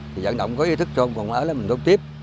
thì dân đọng có ý thức cho còn ở đó mình đốt tiếp